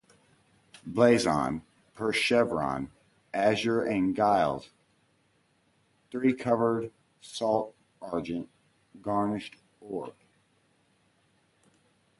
Blazon: Per chevron azure and gules, three covered salts argent, garnished or.